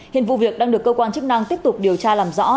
hiện vụ việc đang được cơ quan chức năng tiếp tục điều tra làm rõ